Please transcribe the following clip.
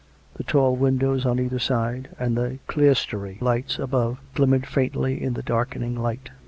The tall windows on either side, and the clerestory lights above, glimmered faintly in the darkening light.